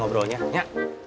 biar lebih sempurna